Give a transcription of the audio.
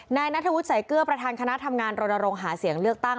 นายนัทวุฒิสายเกลือประธานคณะทำงานรณรงค์หาเสียงเลือกตั้ง